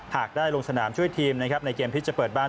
ได้ลงสนามช่วยทีมนะครับในเกมที่จะเปิดบ้าน